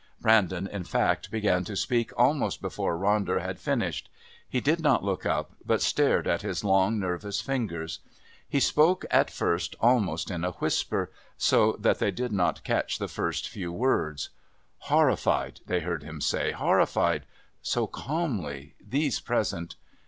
Brandon, in fact, began to speak almost before Ronder had finished. He did not look up, but stared at his long nervous fingers. He spoke at first almost in a whisper, so that they did not catch the first few words. "...Horrified..." they heard him say. "Horrified.... So calmly.... These present....